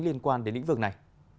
liên quan đến lĩnh vực này